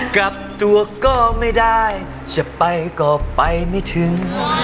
กลับตัวก็ไม่ได้จะไปก็ไปไม่ถึง